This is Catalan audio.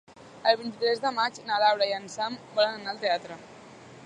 El vint-i-tres de maig na Laura i en Sam volen anar al teatre.